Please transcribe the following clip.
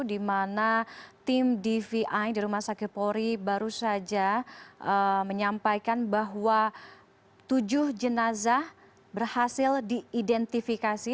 di mana tim dvi di rumah sakit polri baru saja menyampaikan bahwa tujuh jenazah berhasil diidentifikasi